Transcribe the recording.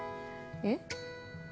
えっ？